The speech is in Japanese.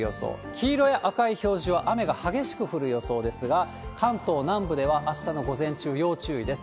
黄色や赤い表示は雨が激しく降る予想ですが、関東南部では、あしたの午前中、要注意です。